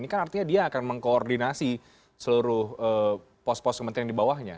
ini kan artinya dia akan mengkoordinasi seluruh pos pos kementerian di bawahnya